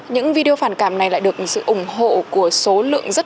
những video phản cảm này lại được sự ủng hộ của số lượng